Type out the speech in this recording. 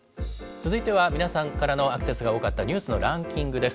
続いては皆さんからのアクセスが多かったニュースのランキングです。